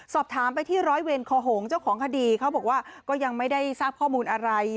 สอบถามไปที่ร้อยเวรคอหงเจ้าของคดีเขาบอกว่าก็ยังไม่ได้ทราบข้อมูลอะไร